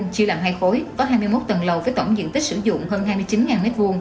chia làm hai khối có hai mươi một tầng lầu với tổng diện tích sử dụng hơn hai mươi chín m hai